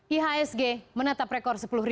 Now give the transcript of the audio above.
ihsg menatap rekor sepuluh